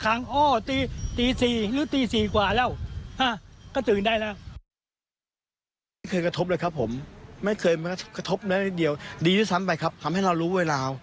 กระทบได้นิดเดียวดีที่สามไปครับทำให้เรารู้เวลา